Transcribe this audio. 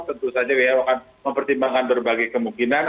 tentu saja who akan mempertimbangkan berbagai kemungkinan